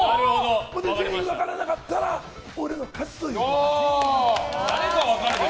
全員分からなかったら俺の勝ちということで。